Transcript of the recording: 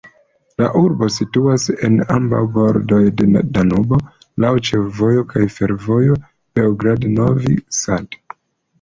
La urbo situas en ambaŭ bordoj de Danubo, laŭ ĉefvojo kaj fervojo Beogrado-Novi Sad.